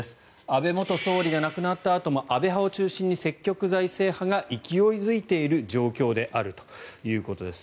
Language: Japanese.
安倍元総理が亡くなったあとも安倍派を中心に積極財政派が勢い付いている状況であるということです。